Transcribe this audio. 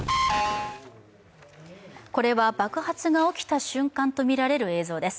これは爆発が起きた瞬間とみられる映像です。